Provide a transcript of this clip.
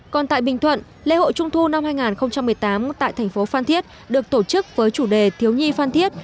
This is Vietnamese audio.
còn tại bình thuận lễ hội trung thu năm hai nghìn một mươi tám tại thành phố phan thiết được tổ chức với chủ đề thiếu nhi phan thiết